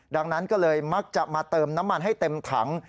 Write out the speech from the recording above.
ดังนั้นก็เลยมักจะมาเติมน้ำมันให้เต็มถัง